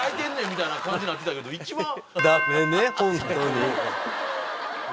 みたいな感じなってたけど一番。